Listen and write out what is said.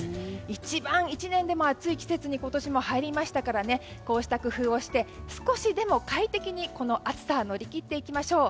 一番、１年でも暑い季節に今年も入りましたからこうした工夫をして少しでも快適にこの暑さを乗り切っていきましょう。